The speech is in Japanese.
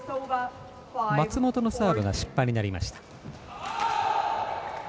松本のサーブが失敗になりました。